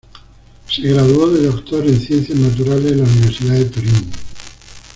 Se graduó de doctor en ciencias naturales en la Universidad de Turín.